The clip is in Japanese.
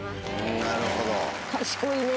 なるほど。